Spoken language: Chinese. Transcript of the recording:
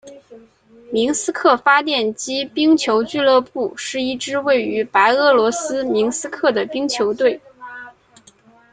明斯克发电机冰球俱乐部是一支位于白俄罗斯明斯克的冰球队。